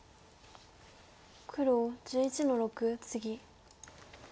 黒１１の六ツギ。